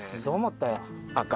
どう思ったよ？